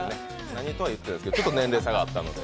何とはいってないですけどちょっと年齢差があったので。